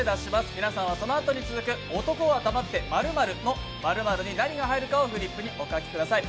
皆さんはそのあとに続く男は黙って○○の○○に何が入るかをフリップにお書きください。